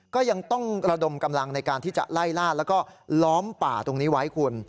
ก็ยังต้องระดมกำลังในการที่จะไล่ล่าแล้วก็ล้อมป่าตรงนี้ไว้คุณ